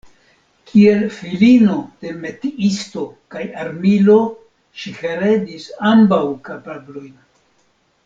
Kiel filino de "metiisto" kaj "armilo" ŝi heredis ambaŭ kapablojn.